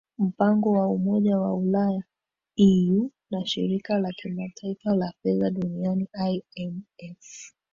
mpango wa umoja wa ulaya eu na shirika la kimataifa la fedha duniani imf